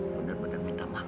benar benar minta maaf